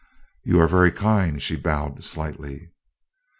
"You are very kind." She bowed slightly.